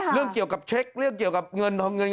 เรื่องเกี่ยวกับเช็คเรื่องเกี่ยวกับเงินทองเงิน